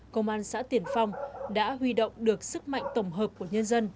công an xã tiền phong đã huy động được sức mạnh tổng hợp của nhân dân